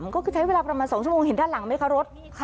ก็คือใช้เวลาประมาณ๒ชั่วโมงเห็นด้านหลังไหมคะรถ